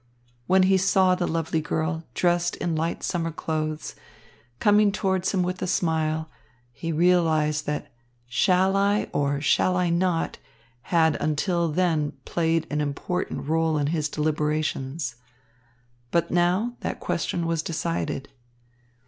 When he saw the lovely girl, dressed in light summer clothes, coming towards him with a smile, he realised that "Shall I?" or, "Shall I not?" had until then played an important rôle in his deliberations. But now that question was decided.